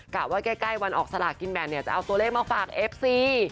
กลับว่าใกล้วันออกสลากินแบนจะเอาตัวเลขมาฝากเอฟซี